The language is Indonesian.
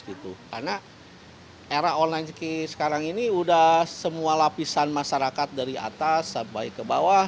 karena era online sekarang ini sudah semua lapisan masyarakat dari atas sampai ke bawah